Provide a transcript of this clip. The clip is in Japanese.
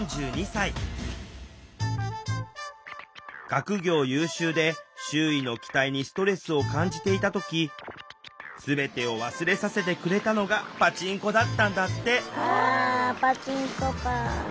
学業優秀で周囲の期待にストレスを感じていた時全てを忘れさせてくれたのがあパチンコか。